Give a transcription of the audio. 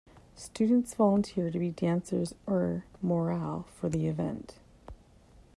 Students volunteer to be dancers or morale for the event.